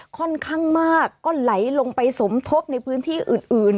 ค่อนข้างมากก็ไหลลงไปสมทบในพื้นที่อื่น